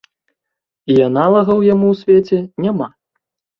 І аналагаў яму ў свеце няма.